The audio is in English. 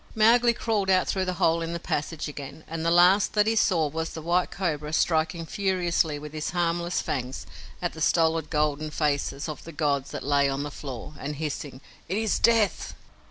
Mowgli crawled out through the hole into the passage again, and the last that he saw was the White Cobra striking furiously with his harmless fangs at the stolid golden faces of the gods that lay on the floor, and hissing, "It is Death!"